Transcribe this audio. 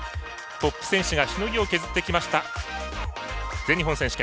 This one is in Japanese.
トップ選手がしのぎを削ってきました全日本選手権。